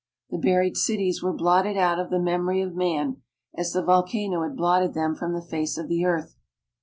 The buried cities were blotted out of the memory of man, as the volcano had blotted them from the face of the earth.